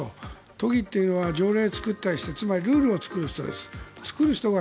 都議っていうのは条例を作ったりしてつまりルールを作る人です。